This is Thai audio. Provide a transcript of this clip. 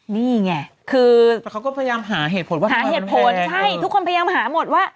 นี่ไงคือเขาก็พยายามหาเหตุผลว่าหาเหตุผลใช่ทุกคนพยายามหาหมดว่า